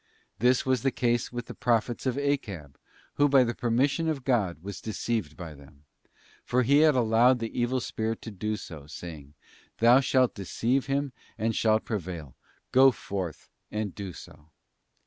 This was the case with the prophets of Achab, who, by the permission of God, was deceived by them; for He had allowed the evil spirit to do so, saying, 'Thou shalt deceive him and shalt prevail; go forth and do so.